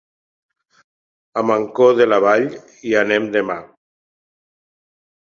A Mancor de la Vall hi anem demà.